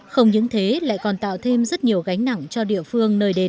không những thế lại còn tạo thêm rất nhiều gánh nặng cho địa phương nơi đến